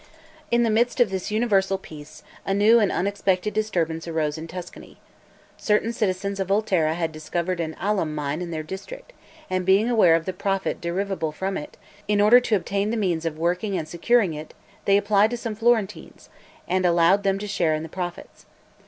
In the midst of this universal peace, a new and unexpected disturbance arose in Tuscany. Certain citizens of Volterra had discovered an alum mine in their district, and being aware of the profit derivable from it, in order to obtain the means of working and securing it, they applied to some Florentines, and allowed them to share in the profits.